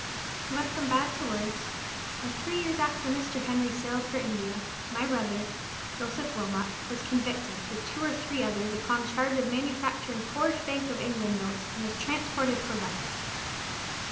He went from bad to worse, and three years after Mr. Henry sailed for India, my brother, Joseph Wilmot, was convicted, with two or three others, upon a charge of manufacturing forged Bank of England notes, and was transported for life."